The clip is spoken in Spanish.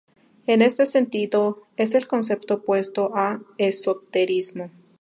En este sentido es el concepto opuesto a esoterismo.